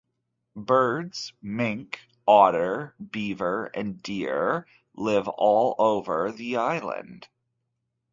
Birds, mink, otter, beaver and deer live all over the island.